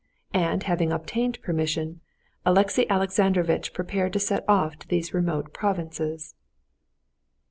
And having obtained permission, Alexey Alexandrovitch prepared to set off to these remote provinces.